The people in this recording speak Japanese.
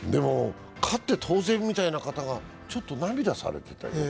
勝って当然みたいな方がちょっと涙されてたよ。